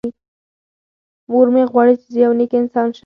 مور مې غواړي چې زه یو نېک انسان شم.